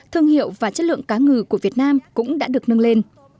thương hiệu và chất lượng cá ngừ của việt nam cũng đã được nâng lên